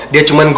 dia cuma gombang